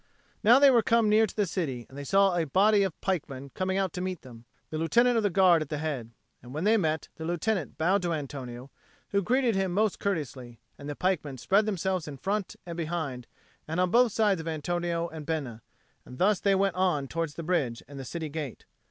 Now they were come near to the city, and they saw a body of pikemen coming out to meet them, the Lieutenant of the Guard at the head. And when they met, the Lieutenant bowed to Antonio, who greeted him most courteously; and the pikemen spread themselves in front and behind and on both sides of Antonio and Bena, and thus they went on towards the bridge and the city gate.